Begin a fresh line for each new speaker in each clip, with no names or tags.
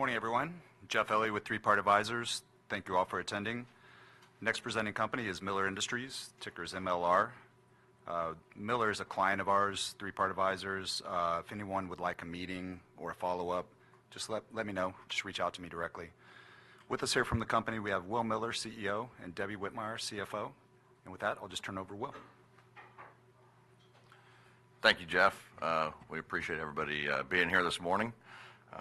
Morning, everyone. Jeff Elliott with Three Part Advisors. Thank you all for attending. Next presenting company is Miller Industries, ticker is MLR. Miller is a client of ours, Three Part Advisors. If anyone would like a meeting or a follow-up, just let me know. Just reach out to me directly. With us here from the company, we have Will Miller, CEO, and Debbie Whitmire, CFO. And with that, I'll just turn it over to Will.
Thank you, Jeff. We appreciate everybody being here this morning.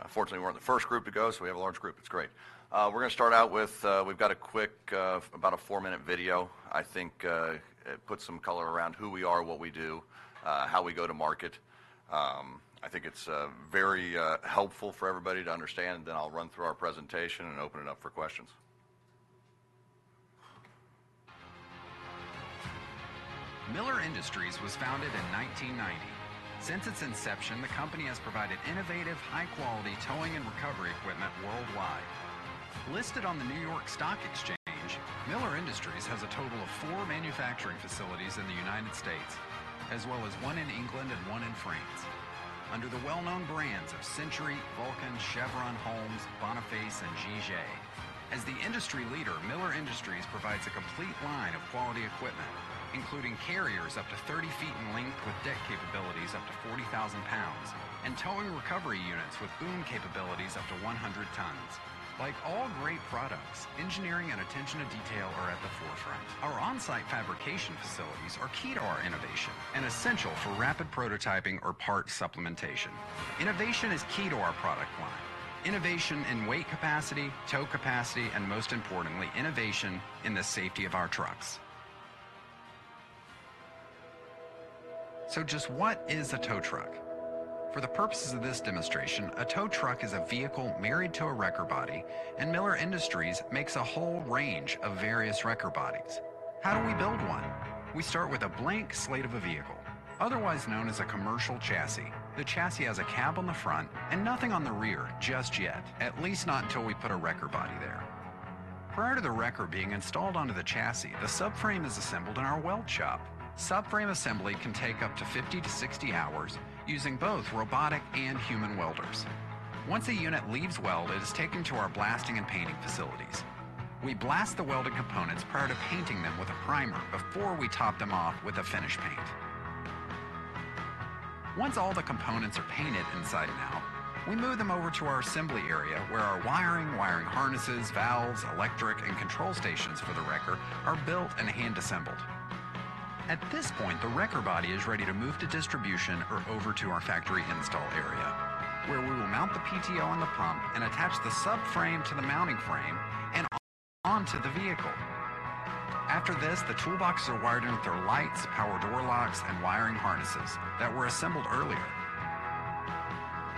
Fortunately, we're the first group to go, so we have a large group. It's great. We're gonna start out with. We've got a quick about a four-minute video. I think it puts some color around who we are, what we do, how we go to market. I think it's very helpful for everybody to understand, and then I'll run through our presentation and open it up for questions. Miller Industries was founded in 1990. Since its inception, the company has provided innovative, high-quality towing and recovery equipment worldwide. Listed on the New York Stock Exchange, Miller Industries has a total of four manufacturing facilities in the United States, as well as one in England and one in France. Under the well-known brands of Century, Vulcan, Chevron, Holmes, Boniface, and Jige. As the industry leader, Miller Industries provides a complete line of quality equipment, including carriers up to 30 ft in length with deck capabilities up to 40,000 lbs, and towing recovery units with boom capabilities up to 100 tons. Like all great products, engineering and attention to detail are at the forefront. Our on-site fabrication facilities are key to our innovation and essential for rapid prototyping or part supplementation. Innovation is key to our product line. Innovation in weight capacity, tow capacity, and most importantly, innovation in the safety of our trucks. So just what is a tow truck? For the purposes of this demonstration, a tow truck is a vehicle married to a wrecker body, and Miller Industries makes a whole range of various wrecker bodies. How do we build one? We start with a blank slate of a vehicle, otherwise known as a commercial chassis. The chassis has a cab on the front and nothing on the rear just yet, at least not until we put a wrecker body there. Prior to the wrecker being installed onto the chassis, the subframe is assembled in our weld shop. Subframe assembly can take up to fifty to sixty hours using both robotic and human welders. Once a unit leaves weld, it is taken to our blasting and painting facilities. We blast the welded components prior to painting them with a primer before we top them off with a finish paint. Once all the components are painted inside and out, we move them over to our assembly area, where our wiring, wiring harnesses, valves, electric, and control stations for the wrecker are built and hand-assembled. At this point, the wrecker body is ready to move to distribution or over to our factory install area, where we will mount the PTO on the pump and attach the subframe to the mounting frame and onto the vehicle. After this, the toolboxes are wired in with their lights, power door locks, and wiring harnesses that were assembled earlier.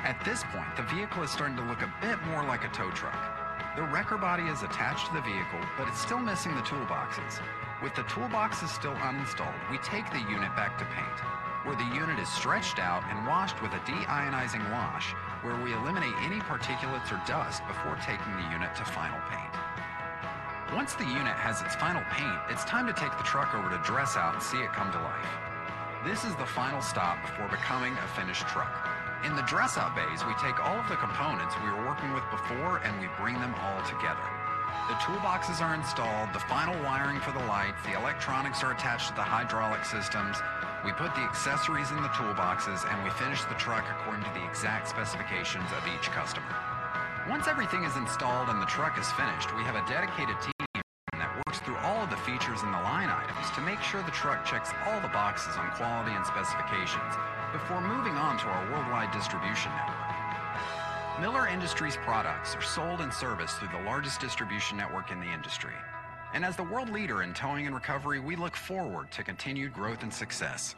At this point, the vehicle is starting to look a bit more like a tow truck. The wrecker body is attached to the vehicle, but it's still missing the toolboxes. With the toolboxes still uninstalled, we take the unit back to paint, where the unit is stretched out and washed with a deionizing wash, where we eliminate any particulates or dust before taking the unit to final paint. Once the unit has its final paint, it's time to take the truck over to dress-out and see it come to life. This is the final stop before becoming a finished truck. In the dress-out bays, we take all of the components we were working with before, and we bring them all together. The toolboxes are installed, the final wiring for the lights, the electronics are attached to the hydraulic systems, we put the accessories in the toolboxes, and we finish the truck according to the exact specifications of each customer. Once everything is installed and the truck is finished, we have a dedicated team that works through all of the features and the line items to make sure the truck checks all the boxes on quality and specifications before moving on to our worldwide distribution network. Miller Industries products are sold and serviced through the largest distribution network in the industry, and as the world leader in towing and recovery, we look forward to continued growth and success.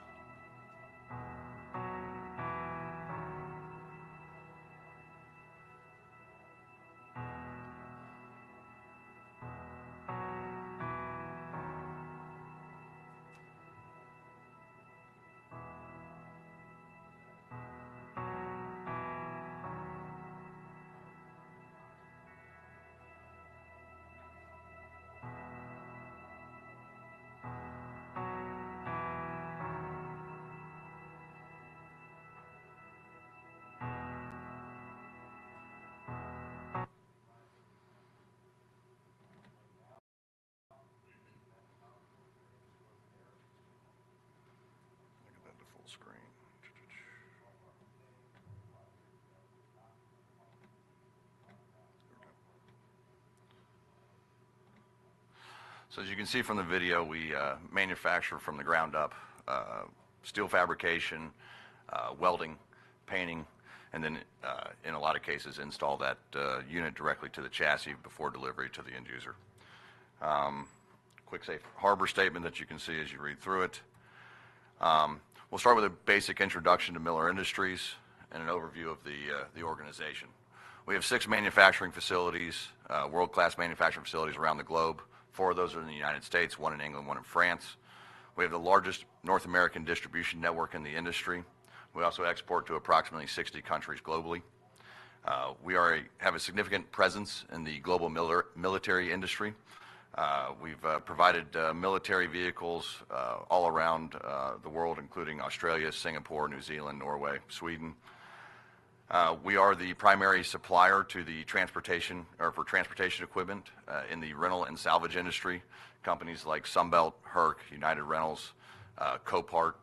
Make that to full screen. There we go. So as you can see from the video, we manufacture from the ground up, steel fabrication, welding, painting, and then, in a lot of cases, install that unit directly to the chassis before delivery to the end user. Quick safe harbor statement that you can see as you read through it. We'll start with a basic introduction to Miller Industries and an overview of the organization. We have six manufacturing facilities, world-class manufacturing facilities around the globe. Four of those are in the United States, one in England, one in France. We have the largest North American distribution network in the industry. We also export to approximately sixty countries globally. We have a significant presence in the global military industry. We've provided military vehicles all around the world, including Australia, Singapore, New Zealand, Norway, Sweden. We are the primary supplier to the transportation, or for transportation equipment, in the rental and salvage industry. Companies like Sunbelt, Herc, United Rentals, Copart,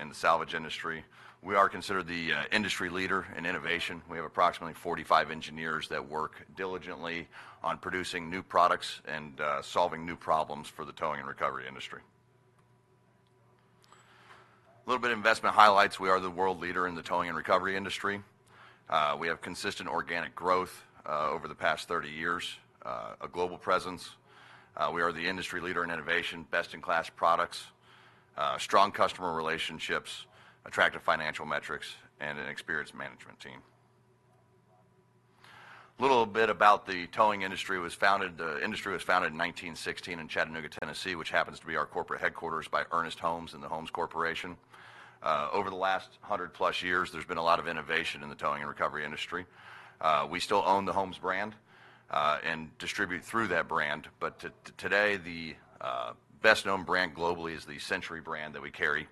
in the salvage industry. We are considered the industry leader in innovation. We have approximately 45 engineers that work diligently on producing new products and solving new problems for the towing and recovery industry. A little bit of investment highlights. We are the world leader in the towing and recovery industry. We have consistent organic growth over the past 30 years, a global presence. We are the industry leader in innovation, best-in-class products, strong customer relationships, attractive financial metrics, and an experienced management team. A little bit about the towing industry. It was founded industry was founded in 1916 in Chattanooga, Tennessee, which happens to be our corporate headquarters, by Ernest Holmes and the Holmes Corporation. Over the last 100-plus years, there's been a lot of innovation in the towing and recovery industry. We still own the Holmes brand and distribute through that brand, but today, the best-known brand globally is the Century brand that we carry.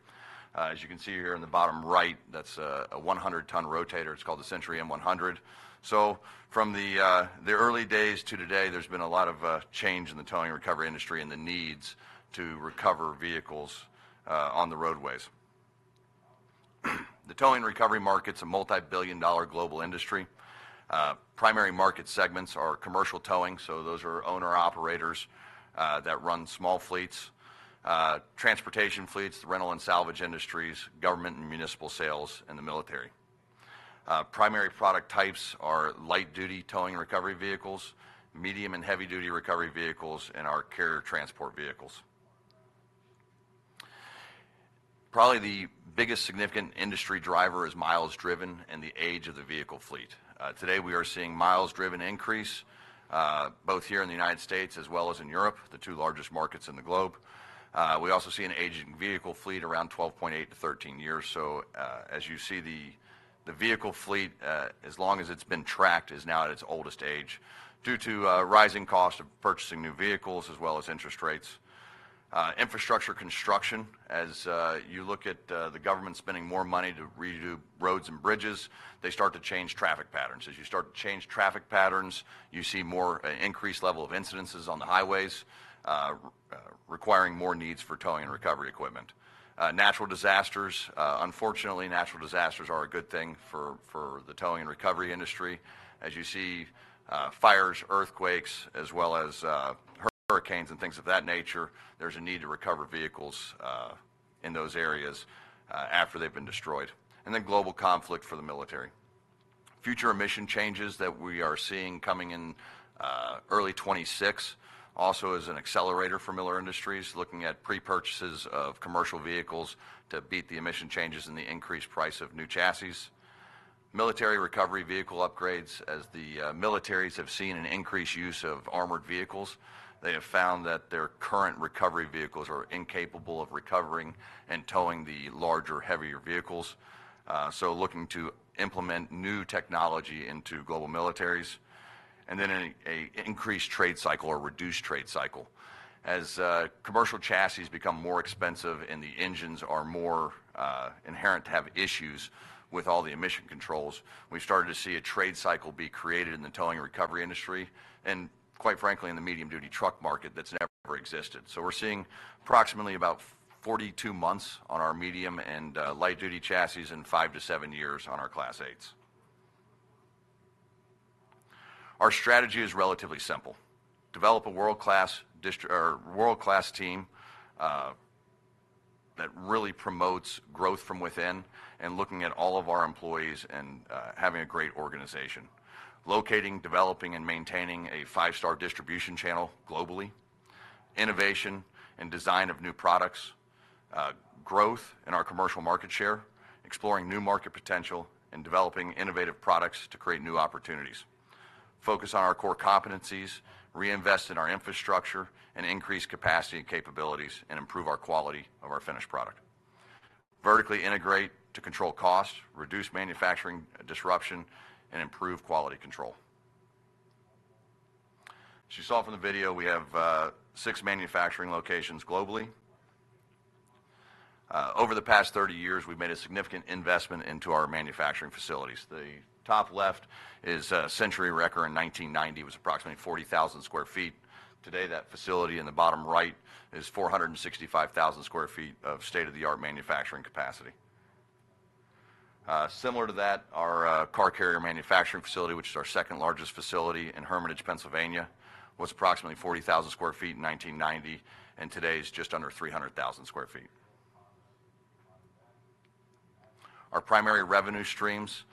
As you can see here in the bottom right, that's a 100-ton rotator. It's called the Century M100. So from the early days to today, there's been a lot of change in the towing and recovery industry and the needs to recover vehicles on the roadways. The towing and recovery market's a multibillion-dollar global industry. Primary market segments are commercial towing, so those are owner-operators, that run small fleets, transportation fleets, the rental and salvage industries, government and municipal sales, and the military. Primary product types are light-duty towing and recovery vehicles, medium and heavy-duty recovery vehicles, and our carrier transport vehicles. Probably the biggest significant industry driver is miles driven and the age of the vehicle fleet. Today, we are seeing miles driven increase, both here in the United States as well as in Europe, the two largest markets in the globe. We also see an aging vehicle fleet around 12.8-13 years. So, as you see, the vehicle fleet, as long as it's been tracked, is now at its oldest age due to, rising cost of purchasing new vehicles, as well as interest rates. Infrastructure construction, as you look at the government spending more money to redo roads and bridges, they start to change traffic patterns. As you start to change traffic patterns, you see more increased level of incidents on the highways, requiring more needs for towing and recovery equipment. Natural disasters, unfortunately, natural disasters are a good thing for the towing and recovery industry. As you see fires, earthquakes, as well as hurricanes and things of that nature, there's a need to recover vehicles in those areas after they've been destroyed. And then global conflict for the military. Future emission changes that we are seeing coming in early 2026 also is an accelerator for Miller Industries, looking at pre-purchases of commercial vehicles to beat the emission changes and the increased price of new chassis. Military recovery vehicle upgrades. As the militaries have seen an increased use of armored vehicles, they have found that their current recovery vehicles are incapable of recovering and towing the larger, heavier vehicles, so looking to implement new technology into global militaries, and then a increased trade cycle or reduced trade cycle. As commercial chassis become more expensive and the engines are more inherent to have issues with all the emission controls, we've started to see a trade cycle be created in the towing and recovery industry, and quite frankly, in the medium-duty truck market, that's never existed, so we're seeing approximately about forty-two months on our medium and light-duty chassis and five to seven years on our Class 8s. Our strategy is relatively simple: develop a world-class team that really promotes growth from within and looking at all of our employees and, having a great organization. Locating, developing, and maintaining a five-star distribution channel globally. Innovation and design of new products. Growth in our commercial market share, exploring new market potential, and developing innovative products to create new opportunities. Focus on our core competencies, reinvest in our infrastructure, and increase capacity and capabilities, and improve our quality of our finished product. Vertically integrate to control costs, reduce manufacturing disruption, and improve quality control. As you saw from the video, we have six manufacturing locations globally. Over the past thirty years, we've made a significant investment into our manufacturing facilities. The top left is Century Wrecker in 1990, was approximately 40,000 sq ft. Today, that facility in the bottom right is 465,000 sq ft of state-of-the-art manufacturing capacity. Similar to that, our car carrier manufacturing facility, which is our second largest facility in Hermitage, Pennsylvania, was approximately 40,000 sq ft in 1990, and today it's just under 300,000 sq ft. Our primary revenue streams,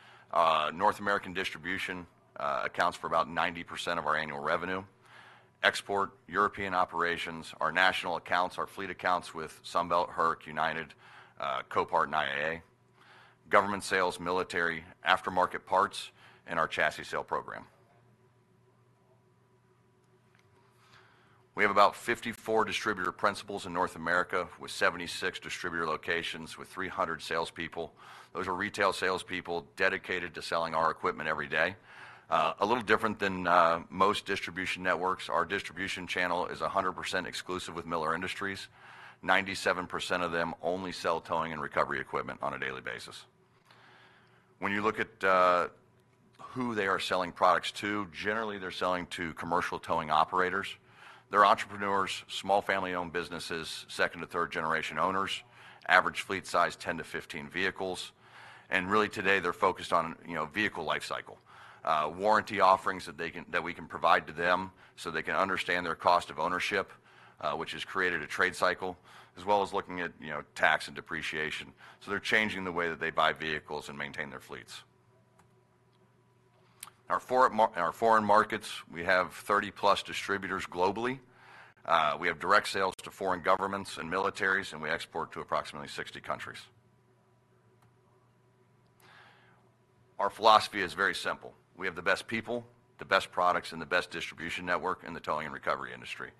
North American distribution, accounts for about 90% of our annual revenue. Export, European operations, our national accounts, our fleet accounts with Sunbelt, Herc, United, Copart, and IAA, government sales, military, aftermarket parts, and our chassis sale program. We have about 54 distributor principals in North America, with 76 distributor locations with 300 salespeople. Those are retail salespeople dedicated to selling our equipment every day. A little different than most distribution networks, our distribution channel is 100% exclusive with Miller Industries. 97% of them only sell towing and recovery equipment on a daily basis. When you look at who they are selling products to, generally, they're selling to commercial towing operators. They're entrepreneurs, small family-owned businesses, second or third generation owners, average fleet size, 10 to 15 vehicles, and really today, they're focused on, you know, vehicle life cycle. Warranty offerings that they can-- that we can provide to them, so they can understand their cost of ownership, which has created a trade cycle, as well as looking at, you know, tax and depreciation, so they're changing the way that they buy vehicles and maintain their fleets. Our foreign markets, we have 30-plus distributors globally. We have direct sales to foreign governments and militaries, and we export to approximately 60 countries. Our philosophy is very simple: We have the best people, the best products, and the best distribution network in the towing and recovery industry.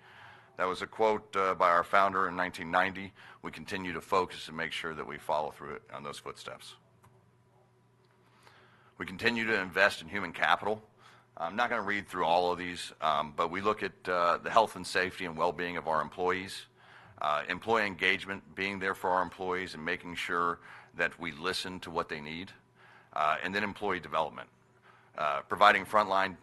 That was a quote by our founder in 1990. We continue to focus and make sure that we follow through it on those footsteps. We continue to invest in human capital. I'm not gonna read through all of these, but we look at the health and safety and well-being of our employees. Employee engagement, being there for our employees, and making sure that we listen to what they need, and then employee development. Providing frontline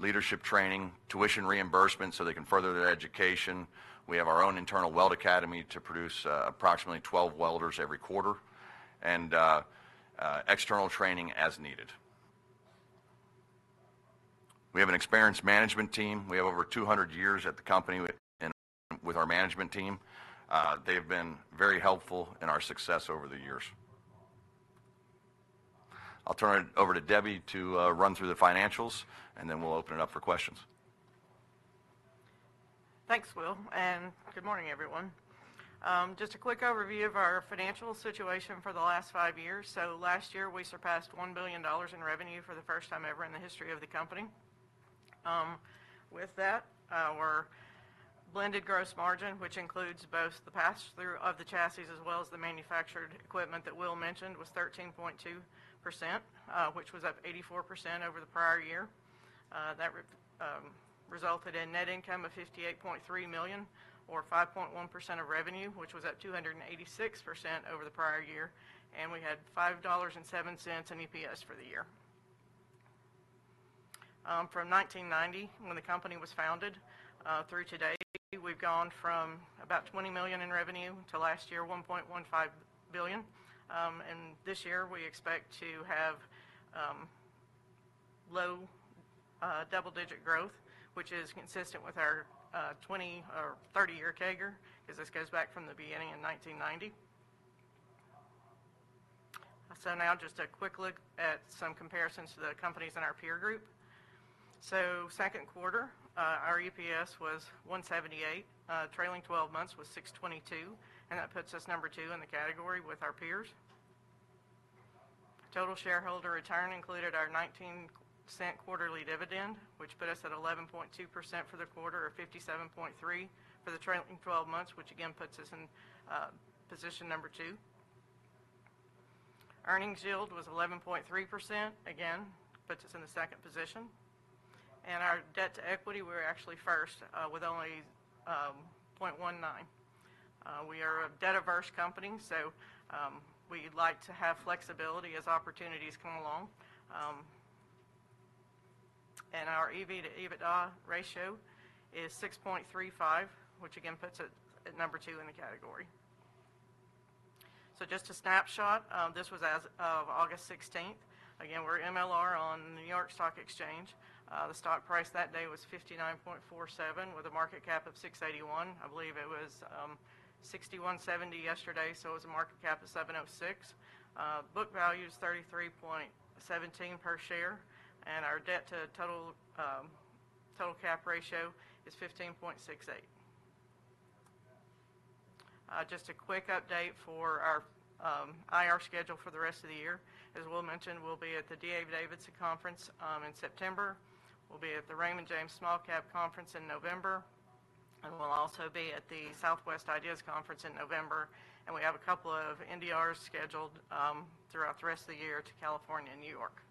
leadership training, tuition reimbursement, so they can further their education. We have our own internal weld academy to produce approximately 12 welders every quarter, and external training as needed. We have an experienced management team. We have over two hundred years at the company with our management team. They've been very helpful in our success over the years. I'll turn it over to Debbie to run through the financials, and then we'll open it up for questions.
Thanks, Will, and good morning, everyone. Just a quick overview of our financial situation for the last five years. So last year, we surpassed $1 billion in revenue for the first time ever in the history of the company. With that, our blended gross margin, which includes both the pass-through of the chassis, as well as the manufactured equipment that Will mentioned, was 13.2%, which was up 84% over the prior year. That resulted in net income of $58.3 million, or 5.1% of revenue, which was up 286% over the prior year, and we had $5.07 in EPS for the year. From nineteen ninety, when the company was founded, through today, we've gone from about $20 million in revenue to last year, $1.15 billion, and this year, we expect to have low double-digit growth, which is consistent with our 20- or 30-year CAGR, 'cause this goes back from the beginning in nineteen ninety. So now just a quick look at some comparisons to the companies in our peer group. So second quarter, our EPS was $1.78. Trailing twelve months was $6.22, and that puts us number two in the category with our peers. Total shareholder return included our $0.19 quarterly dividend, which put us at 11.2% for the quarter, or 57.3% for the trailing twelve months, which again puts us in position number two. Earnings yield was 11.3%. Again, puts us in the second position. And our debt to equity, we're actually first with only 0.19. We are a debt-averse company, so we like to have flexibility as opportunities come along. And our EV to EBITDA ratio is 6.35, which again puts it at number two in the category. So just a snapshot. This was as of August sixteenth. Again, we're MLR on the New York Stock Exchange. The stock price that day was $59.47, with a market cap of $681 million. I believe it was $61.70 yesterday, so it was a market cap of $706 million. Book value is $33.17 per share, and our debt to total cap ratio is 15.68. Just a quick update for our IR schedule for the rest of the year. As Will mentioned, we'll be at the D.A. Davidson conference in September. We'll be at the Raymond James Small Cap Conference in November, and we'll also be at the Southwest IDEAS Conference in November. And we have a couple of NDRs scheduled throughout the rest of the year to California and New York.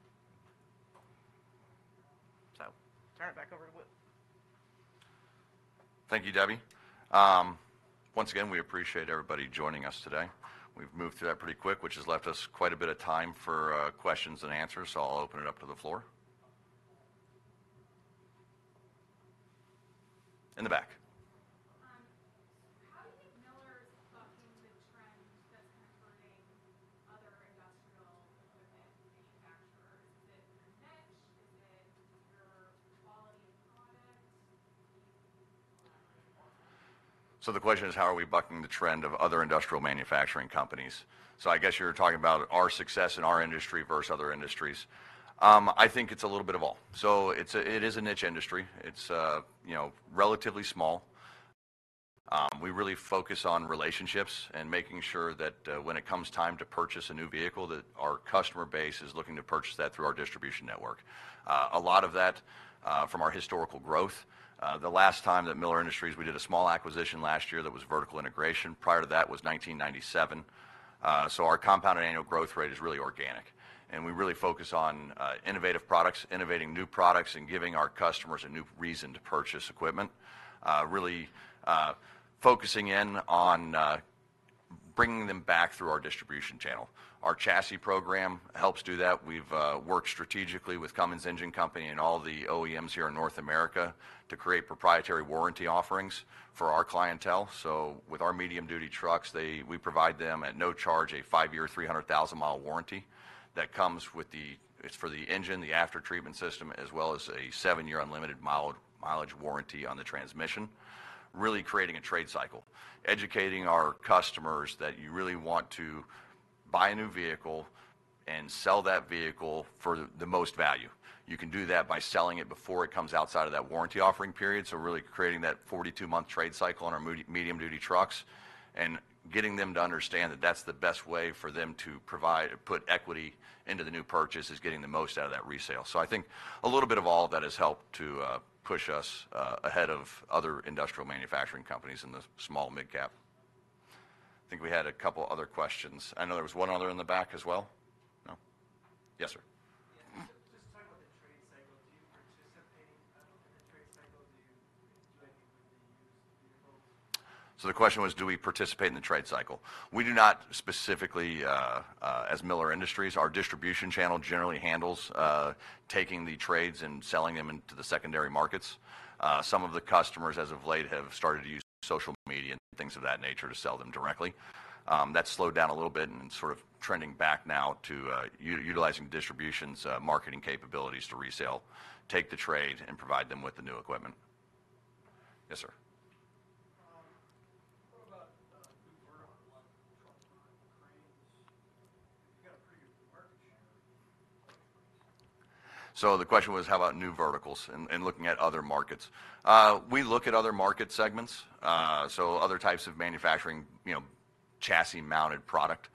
So turn it back over to Will.
Thank you, Debbie. Once again, we appreciate everybody joining us today. We've moved through that pretty quick, which has left us quite a bit of time for questions and answers, so I'll open it up to the floor. In the back. How do you think Miller's bucking the trend that's kind of hurting other industrial equipment manufacturers? Is it niche? Is it your quality of products? So the question is, how are we bucking the trend of other industrial manufacturing companies? So I guess you're talking about our success in our industry versus other industries. I think it's a little bit of all. So it is a niche industry. It's, you know, relatively small. We really focus on relationships and making sure that when it comes time to purchase a new vehicle, that our customer base is looking to purchase that through our distribution network. A lot of that from our historical growth, the last time that Miller Industries we did a small acquisition last year, that was vertical integration. Prior to that was nineteen ninety-seven. So our compound annual growth rate is really organic, and we really focus on innovative products, innovating new products, and giving our customers a new reason to purchase equipment. Really, focusing in on bringing them back through our distribution channel. Our chassis program helps do that. We've worked strategically with Cummins Engine Company and all the OEMs here in North America to create proprietary warranty offerings for our clientele. So with our medium-duty trucks, we provide them, at no charge, a five-year, three hundred thousand mile warranty that comes with the—it's for the engine, the after-treatment system, as well as a seven-year unlimited mileage warranty on the transmission, really creating a trade cycle. Educating our customers that you really want to buy a new vehicle and sell that vehicle for the most value. You can do that by selling it before it comes outside of that warranty offering period, so really creating that forty-two-month trade cycle on our medium-duty trucks, and getting them to understand that that's the best way for them to provide or put equity into the new purchase, is getting the most out of that resale. So I think a little bit of all of that has helped to push us ahead of other industrial manufacturing companies in the small midcap. I think we had a couple other questions. I know there was one other in the back as well. No? Yes, sir. Yeah, just talk about the trade cycle. Do you participate in the trade cycle? Do you do anything with the used vehicles? So the question was, do we participate in the trade cycle? We do not specifically, as Miller Industries. Our distribution channel generally handles taking the trades and selling them into the secondary markets. Some of the customers, as of late, have started to use social media and things of that nature to sell them directly. That's slowed down a little bit and sort of trending back now to utilizing distributions, marketing capabilities to resale, take the trade, and provide them with the new equipment. Yes, sir? What about, new vertical, like trucks and cranes? You've got a pretty good market share- So the question was, how about new verticals and looking at other markets? We look at other market segments, so other types of manufacturing, you know, chassis-mounted product.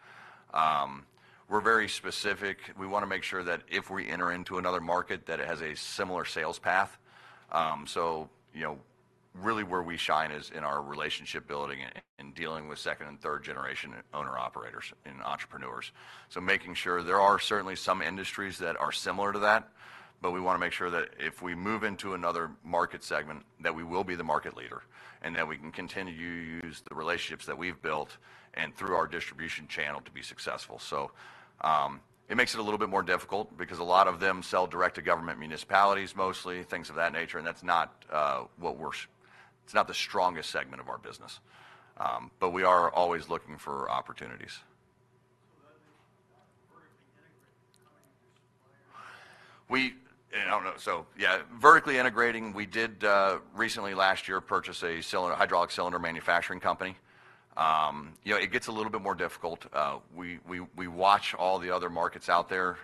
We're very specific. We wanna make sure that if we enter into another market, that it has a similar sales path. So, you know, really where we shine is in our relationship building and dealing with second and third-generation owner-operators and entrepreneurs. So making sure, there are certainly some industries that are similar to that, but we wanna make sure that if we move into another market segment, that we will be the market leader, and that we can continue to use the relationships that we've built and through our distribution channel to be successful. So, it makes it a little bit more difficult, because a lot of them sell direct to government, municipalities mostly, things of that nature, and that's not, it's not the strongest segment of our business. But we are always looking for opportunities. So that means, vertically integrated becoming your supplier? Yeah, vertically integrating, we did recently last year purchase a cylinder hydraulic cylinder manufacturing company. You know, it gets a little bit more difficult. We watch all the other markets out there.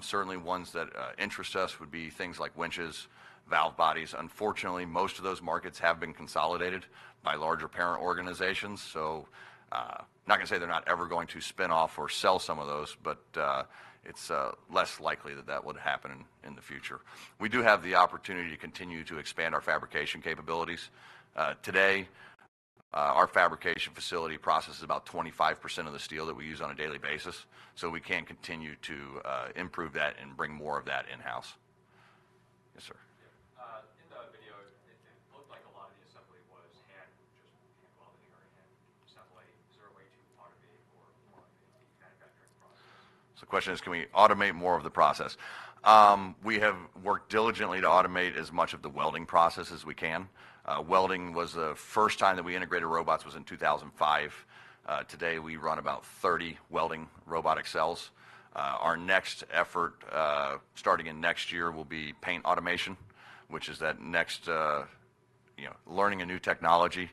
Certainly ones that interest us would be things like winches, valve bodies. Unfortunately, most of those markets have been consolidated by larger parent organizations. Not gonna say they're not ever going to spin off or sell some of those, but it's less likely that that would happen in the future. We do have the opportunity to continue to expand our fabrication capabilities. Today, our fabrication facility processes about 25% of the steel that we use on a daily basis, so we can continue to improve that and bring more of that in-house. Yes, sir. Yeah, in the video, it looked like a lot of the assembly was hand welding or hand assembly. Is there a way to automate more of the manufacturing process? So the question is, can we automate more of the process? We have worked diligently to automate as much of the welding process as we can. Welding was the first time that we integrated robots was in 2005. Today, we run about 30 welding robotic cells. Our next effort, starting in next year, will be paint automation, which is that next, you know, learning a new technology.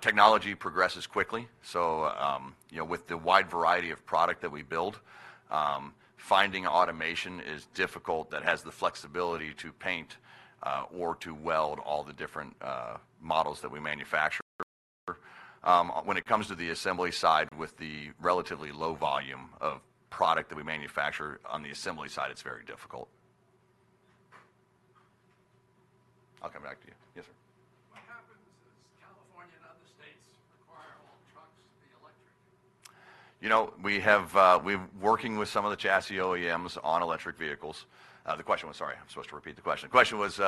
Technology progresses quickly, so, you know, with the wide variety of product that we build, finding automation is difficult that has the flexibility to paint, or to weld all the different, models that we manufacture. When it comes to the assembly side, with the relatively low volume of product that we manufacture on the assembly side, it's very difficult. I'll come back to you. Yes, sir. What happens as California and other states require all trucks to be electric? You know, we have, we're working with some of the chassis OEMs on electric vehicles. The question was- sorry, I'm supposed to repeat the question. The question was,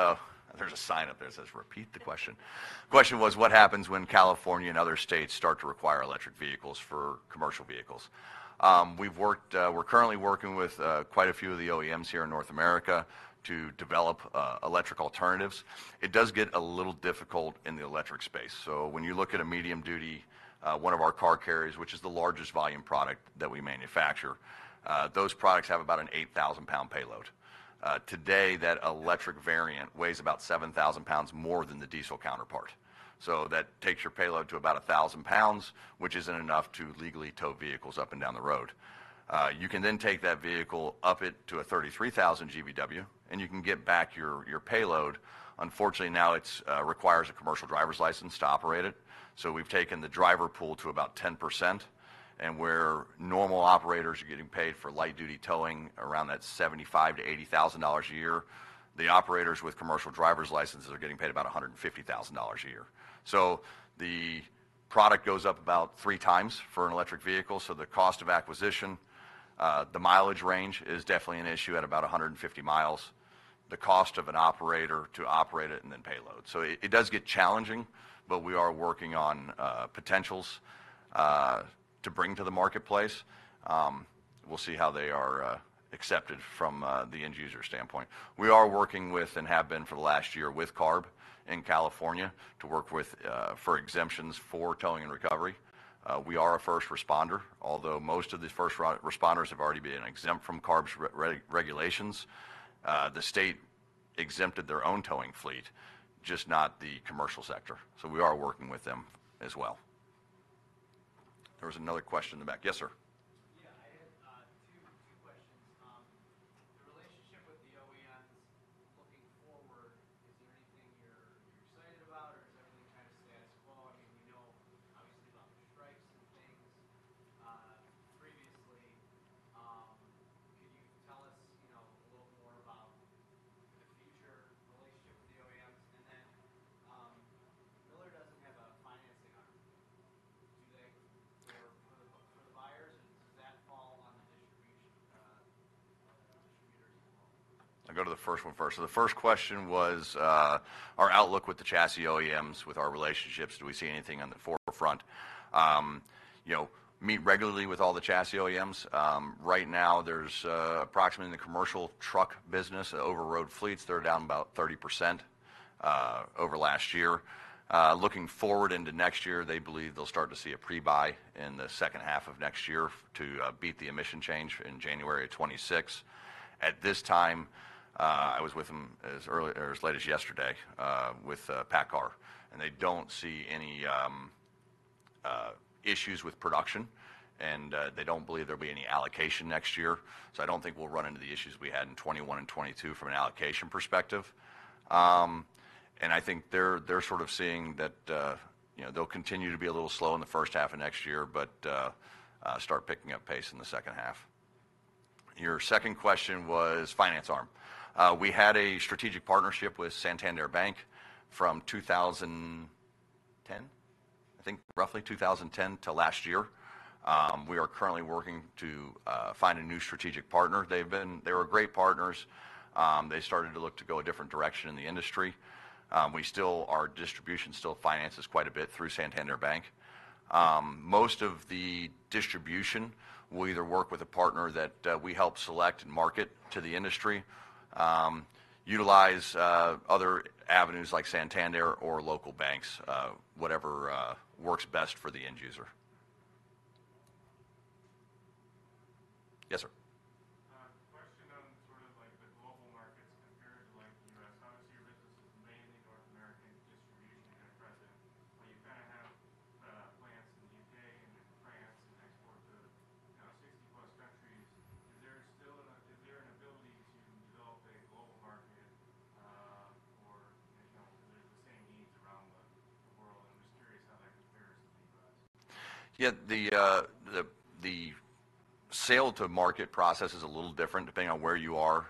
there's a sign up there that says, "Repeat the question." The question was, what happens when California and other states start to require electric vehicles for commercial vehicles? We've worked, we're currently working with, quite a few of the OEMs here in North America to develop, electric alternatives. It does get a little difficult in the electric space. So when you look at a medium-duty one of our car carriers, which is the largest volume product that we manufacture, those products have about an 8,000-pound payload. Today, that electric variant weighs about 7,000 pounds more than the diesel counterpart. So that takes your payload to about 1,000 pounds, which isn't enough to legally tow vehicles up and down the road. You can then take that vehicle, up it to a 33,000 GVW, and you can get back your payload. Unfortunately, now it requires a commercial driver's license to operate it. So we've taken the driver pool to about 10%, and where normal operators are getting paid for light-duty towing around that $75,000-$80,000 a year, the operators with commercial driver's licenses are getting paid about $150,000 a year. So the product goes up about three times for an electric vehicle, so the cost of acquisition, the mileage range is definitely an issue at about 150 miles, the cost of an operator to operate it, and then payload. So it does get challenging, but we are working on potentials to bring to the marketplace. We'll see how they are accepted from the end user standpoint. We are working with, and have been for the last year, with CARB in California, to work with for exemptions for towing and recovery. We are a first responder, although most of the first responders have already been exempt from CARB's regulations. The state exempted their own towing fleet, just not the commercial sector, so we are working with them as well. There was another question in the back. Yes, sir? Yeah, I had two questions. The relationship with the OEMs looking forward, is there anything you're excited about, or is everything kind of status quo? I mean, we know obviously about the strikes and things previously. Could you tell us, you know, a little more about the future relationship with the OEMs? And then, Miller doesn't have a financing arm, do they, for the buyers, or does that fall on the distribution distributors as well? I'll go to the first one first. So the first question was, our outlook with the chassis OEMs, with our relationships, do we see anything on the forefront? You know, meet regularly with all the chassis OEMs. Right now, there's approximately in the commercial truck business, over-road fleets, they're down about 30% over last year. Looking forward into next year, they believe they'll start to see a pre-buy in the second half of next year to beat the emission change in January of 2026. At this time, I was with them as early, or as late as yesterday, with PACCAR, and they don't see any issues with production, and they don't believe there'll be any allocation next year. So I don't think we'll run into the issues we had in 2021 and 2022 from an allocation perspective. And I think they're sort of seeing that, you know, they'll continue to be a little slow in the first half of next year, but start picking up pace in the second half. Your second question was finance arm. We had a strategic partnership with Santander Bank from 2010, I think roughly 2010 to last year. We are currently working to find a new strategic partner. They were great partners. They started to look to go a different direction in the industry. We still, our distribution still finances quite a bit through Santander Bank. Most of the distribution will either work with a partner that we help select and market to the industry, utilize other avenues like Santander or local banks, whatever works best for the end user. Yes, sir? Question on sort of, like, the global markets compared to, like, the U.S. Obviously, your business is mainly North American distribution and presence, but you kind of have plants in the U.K. and in France and export to, you know, 60-plus countries. Is there still enough, is there an ability to develop a global market, or, you know, 'cause there's the same needs around the world, and I'm just curious how that compares to the U.S. Yeah, the sale-to-market process is a little different depending on where you are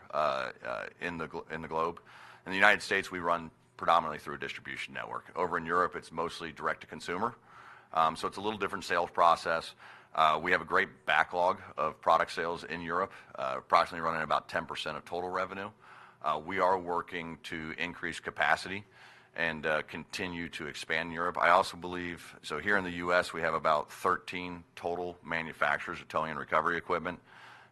in the globe. In the United States, we run predominantly through a distribution network. Over in Europe, it's mostly direct to consumer, so it's a little different sales process. We have a great backlog of product sales in Europe, approximately running about 10% of total revenue. We are working to increase capacity and continue to expand Europe. I also believe so here in the US, we have about 13 total manufacturers of towing and recovery equipment.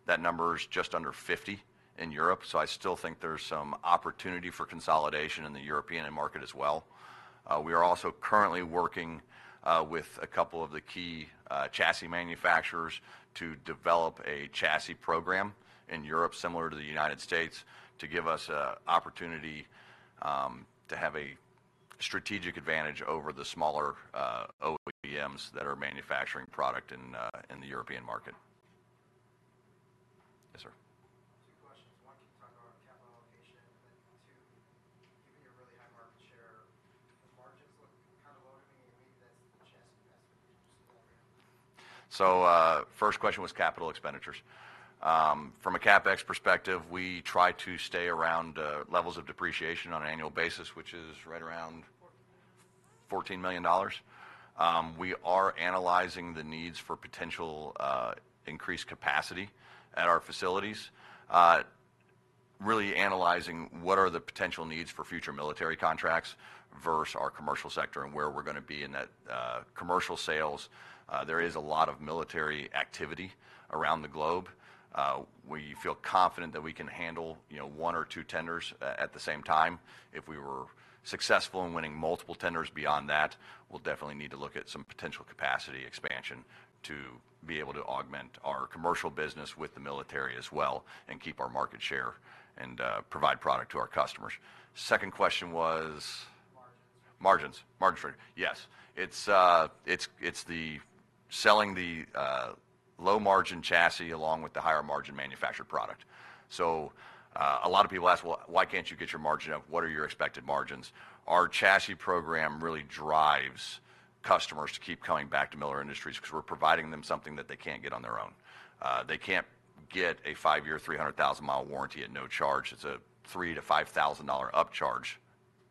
That number is just under 50 in Europe, so I still think there's some opportunity for consolidation in the European market as well. We are also currently working with a couple of the key chassis manufacturers to develop a chassis program in Europe, similar to the United States, to give us a opportunity to have a strategic advantage over the smaller OEMs that are manufacturing product in the European market. Yes, sir? Two questions. One, can you talk about capital allocation? And then two, given your really high market share, the margins look kind of low to me. You mean that's the chassis guys? So, first question was capital expenditures. From a CapEx perspective, we try to stay around levels of depreciation on an annual basis, which is right around Fourteen million $14 million. We are analyzing the needs for potential increased capacity at our facilities. Really analyzing what are the potential needs for future military contracts versus our commercial sector and where we're gonna be in that commercial sales. There is a lot of military activity around the globe. We feel confident that we can handle, you know, one or two tenders at the same time. If we were successful in winning multiple tenders beyond that, we'll definitely need to look at some potential capacity expansion to be able to augment our commercial business with the military as well and keep our market share and provide product to our customers. Second question was? Margins. Margins. Margins, yes. It's the selling the low-margin chassis along with the higher-margin manufactured product. So, a lot of people ask, "Well, why can't you get your margin up? What are your expected margins?" Our chassis program really drives customers to keep coming back to Miller Industries because we're providing them something that they can't get on their own. They can't get a five-year, 300,000-mile warranty at no charge. It's a $3,000-$5,000 upcharge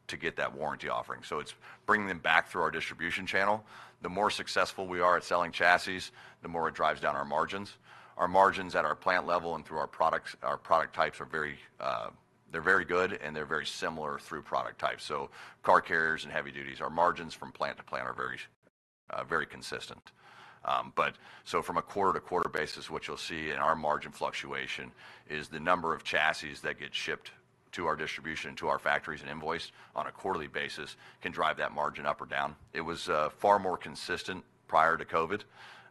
to get that warranty offering. So it's bringing them back through our distribution channel. The more successful we are at selling chassis, the more it drives down our margins. Our margins at our plant level and through our products, our product types are very, they're very good, and they're very similar through product type, so car carriers and heavy duties. Our margins from plant to plant are very consistent. But so from a quarter-to-quarter basis, what you'll see in our margin fluctuation is the number of chassis that get shipped to our distribution, to our factories and invoiced on a quarterly basis can drive that margin up or down. It was far more consistent prior to COVID.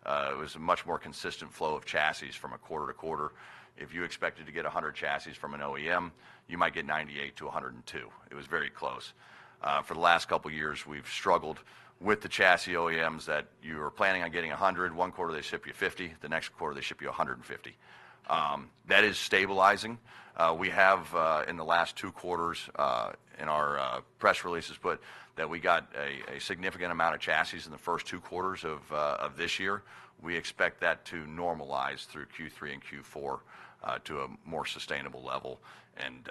It was a much more consistent flow of chassis from a quarter to quarter. If you expected to get a hundred chassis from an OEM, you might get ninety-eight to a hundred and two. It was very close. For the last couple of years, we've struggled with the chassis OEMs that you are planning on getting a hundred, one quarter they ship you fifty, the next quarter they ship you a hundred and fifty. That is stabilizing. We have in the last two quarters in our press releases put that we got a significant amount of chassis in the first two quarters of this year. We expect that to normalize through Q3 and Q4 to a more sustainable level, and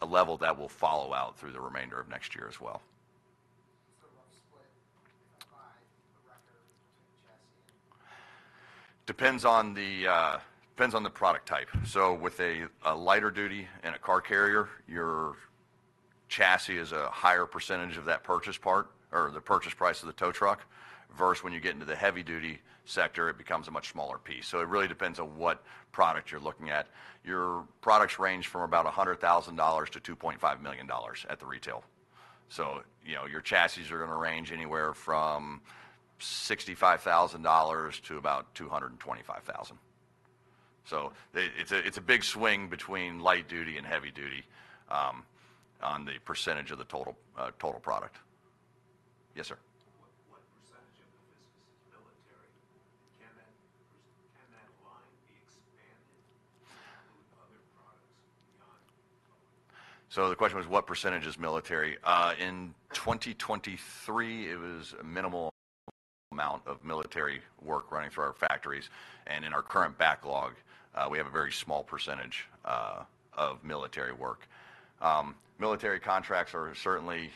a level that will follow out through the remainder of next year as well. Sort of a split by revenue between chassis? Depends on the product type. So with a lighter duty and a car carrier, your chassis is a higher percentage of that purchase part or the purchase price of the tow truck. Versus when you get into the heavy duty sector, it becomes a much smaller piece. So it really depends on what product you're looking at. Your products range from about $100,000 to $2.5 million at the retail. So, you know, your chassis are gonna range anywhere from $65,000 to about $225,000. So it's a big swing between light duty and heavy duty, on the percentage of the total product. Yes, sir? What percentage of the business is military? Can that line be expanded to include other products beyond? The question was, what percentage is military? In 2023, it was a minimal amount of military work running through our factories. In our current backlog, we have a very small percentage of military work. Military contracts are certainly,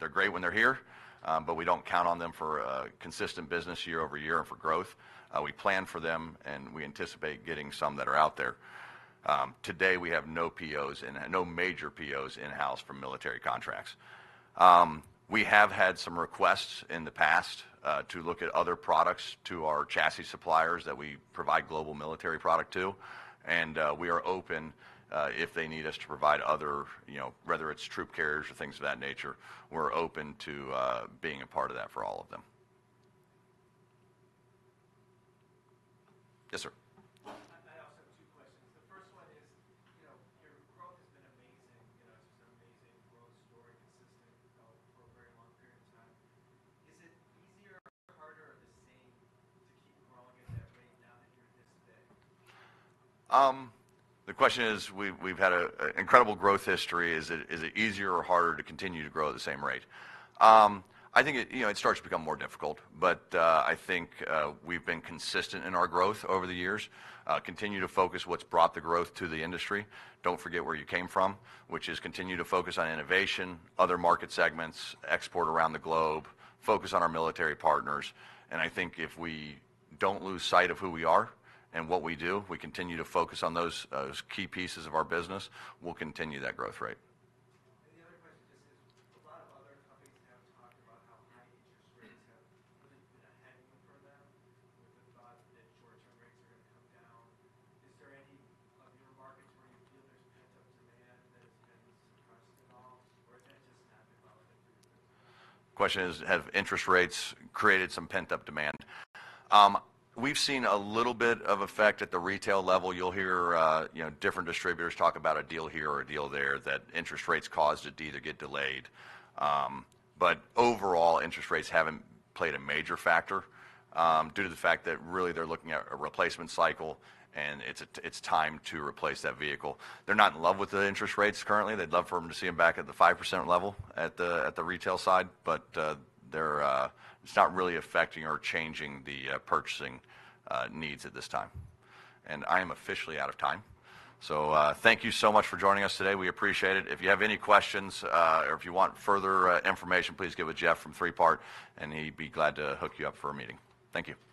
they're great when they're here, but we don't count on them for a consistent business year over year and for growth. We plan for them, and we anticipate getting some that are out there. Today, we have no major POs in-house from military contracts. We have had some requests in the past to look at other products to our chassis suppliers that we provide global military product to, and we are open if they need us to provide other, you know, whether it's troop carriers or things of that nature, we're open to being a part of that for all of them. Yes, sir. I also have two questions. The first one is, you know, your growth has been amazing, you know, just amazing growth story, consistent growth for a very long period of time. Is it easier, harder, or the same to keep growing at that rate now that you're this big? The question is, we've had an incredible growth history. Is it easier or harder to continue to grow at the same rate? I think, you know, it starts to become more difficult, but I think we've been consistent in our growth over the years. Continue to focus on what's brought the growth to the industry. Don't forget where you came from, which is continue to focus on innovation, other market segments, export around the globe, focus on our military partners. And I think if we don't lose sight of who we are and what we do, we continue to focus on those key pieces of our business, we'll continue that growth rate. The other question just is, a lot of other companies have talked about how high interest rates have really been a headwind for them, with the thought that short-term rates are going to come down. Is there any of your markets where you feel there's pent-up demand that has been suppressed at all, or does that just not apply with the group? Question is, have interest rates created some pent-up demand? We've seen a little bit of effect at the retail level. You'll hear, you know, different distributors talk about a deal here or a deal there, that interest rates caused a deal to get delayed. But overall, interest rates haven't played a major factor, due to the fact that really they're looking at a replacement cycle and it's time to replace that vehicle. They're not in love with the interest rates currently. They'd love for them to see them back at the 5% level at the retail side, but, they're... It's not really affecting or changing the purchasing needs at this time. And I am officially out of time. So, thank you so much for joining us today. We appreciate it. If you have any questions, or if you want further information, please get with Jeff from Three Part, and he'd be glad to hook you up for a meeting. Thank you.